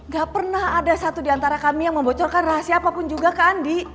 gak pernah ada satu diantara kami yang membocorkan rahasia apapun juga ke andi